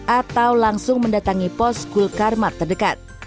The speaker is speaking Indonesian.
atau langsung mendatangi pos hulkar mat terdekat